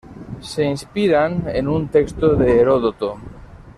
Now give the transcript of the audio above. Se inspiran en un texto de Heródoto.